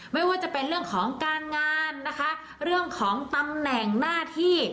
ไม่ว่าจะเป็นเรื่องของการงานนะคะเรื่องของตำแหน่งหน้าที่